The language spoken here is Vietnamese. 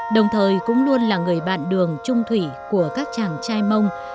đồng thời cũng luôn là người bạn đường trung thủy của các chàng trai mông